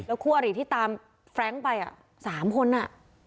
แล้วคั่วหรี่ที่ตามแฟรงค์ไปอ่ะ๓คนอ่ะ